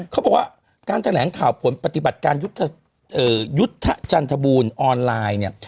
เขาบอกว่าการแถลงข่าวผลปฏิบัติการยุทธจันทบูรณ์ออนไลน์เนี่ย